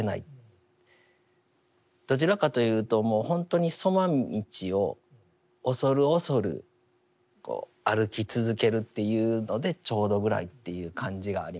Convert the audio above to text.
どちらかというともうほんとに杣道を恐る恐る歩き続けるというのでちょうどぐらいっていう感じがあります。